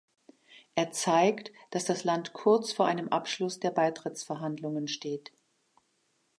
Er zeigt, dass das Land kurz vor einem Abschluss der Beitrittsverhandlungen steht.